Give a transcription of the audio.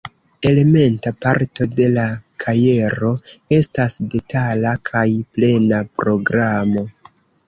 Elementa parto de la kajero estas detala kaj plena programo.